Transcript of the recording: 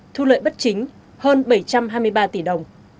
thu lợi bất chính hơn bảy trăm hai mươi ba tỷ đồng